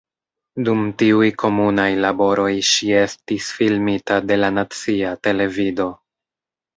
Dum tiuj komunaj laboroj ŝi estis filmita de la nacia televido.